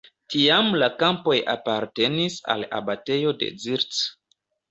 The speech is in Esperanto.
Tiam la kampoj apartenis al abatejo de Zirc.